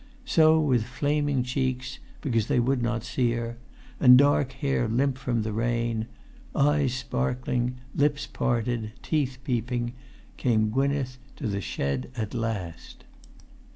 So with flaming cheeks—because they would not see her—and dark hair limp from the rain—eyes sparkling, lips parted, teeth peeping—came Gwynneth to the shed at last.